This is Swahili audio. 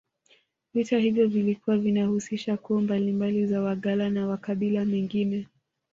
Vita hivyo vilikuwa vinahusisha koo mbalimbali za Wagala na makabila mengine